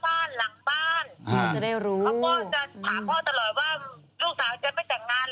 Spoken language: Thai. พ่อจะถามพ่อตลอดว่าลูกสาวจะไม่แต่งงานเหรอ